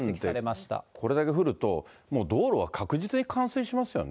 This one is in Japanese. １時間でこれだけ降ると、もう道路は確実に冠水しますよね。